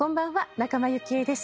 仲間由紀恵です。